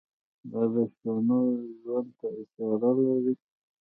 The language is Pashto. دا د شپنو ژوند ته اشاره لري.